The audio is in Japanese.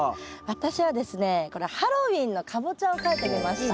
私はですねこれハロウィーンのカボチャを描いてみました。